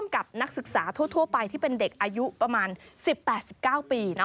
กับนักศึกษาทั่วไปที่เป็นเด็กอายุประมาณ๑๘๑๙ปี